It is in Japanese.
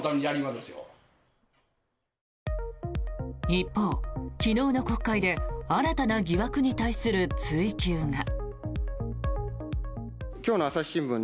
一方、昨日の国会で新たな疑惑に対する追及が。